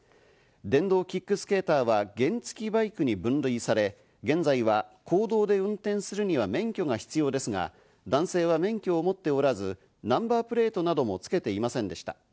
電動キックスケーターは原付バイクに分類され、現在は公道で運転するには免許が必要ですが男性は免許を持っておらず、ナンバープレートなどもつけていませんでした。